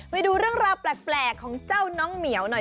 ไปดูเรื่องราวแปลกของเจ้าน้องเหมียวหน่อย